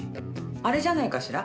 あれじゃないかしら。